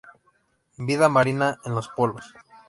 Vida marina en los polos